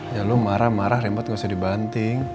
ya lo marah marah rempat nggak usah dibanting